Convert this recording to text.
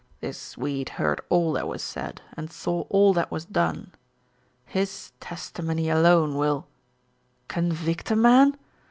This Swede heard all that was said, and saw all that was done. His testimony alone will " "Convict a man?